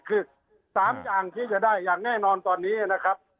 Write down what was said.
คือ๓อย่างที่จะได้อย่างแน่นอนตอนนี้นะครับ